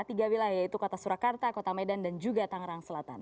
tiga wilayah yaitu kota surakarta kota medan dan juga tangerang selatan